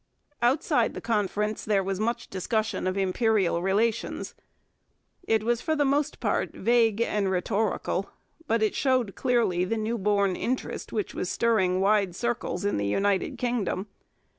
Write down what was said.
Outside the Conference there was much discussion of imperial relations. It was for the most part vague and rhetorical, but it showed clearly the new born interest which was stirring wide circles in the United Kingdom.